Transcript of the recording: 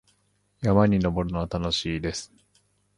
山に登るのは楽しいです。